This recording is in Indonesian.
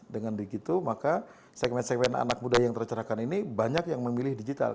dengan begitu maka segmen segmen anak muda yang tercerahkan ini banyak yang memilih digital